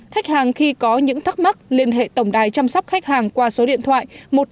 khách hàng khi có những thắc mắc liên hệ tổng đài chăm sóc khách hàng qua số điện thoại một chín không không một chín không chín